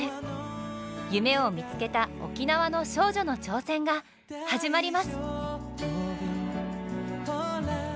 夢を見つけた沖縄の少女の挑戦が始まります！